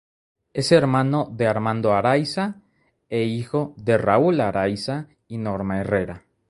Es hermano de Armando Araiza e hijo de Raúl Araiza y Norma Herrera.